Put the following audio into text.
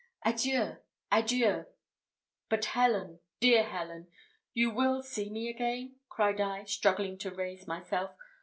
Adieu, adieu!" "But, Helen, dear Helen, you will see me again?" cried I, struggling to raise myself.